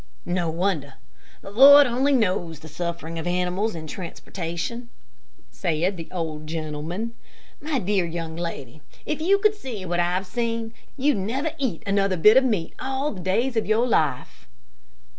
"No wonder. The Lord only knows the suffering of animals in transportation," said the old gentleman. "My dear young lady, if you could see what I have seen, you'd never eat another bit of meat all the days of your life."